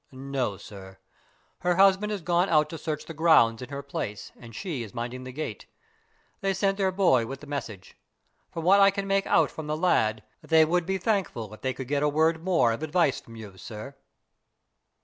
"No, sir. Her husband has gone out to search the grounds in her place, and she is minding the gate. They sent their boy with the message. From what I can make out from the lad, they would be thankful if they could get a word more of advice from you, sir."